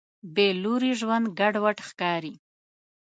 بېلوري ژوند ګډوډ ښکاري.